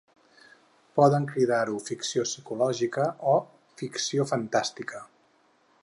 Poden cridar-ho ficció psicològica o ficció fantàstica.